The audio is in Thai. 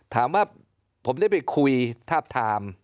ถามว่าผมได้ไปคุยทาบทาม